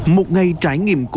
một ngày trải nghiệm cổ